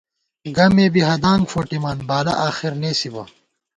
گمے بی ہدانگ فوٹِمان ، بالہ آخر نېسِبہ